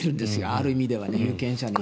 ある意味では、有権者に。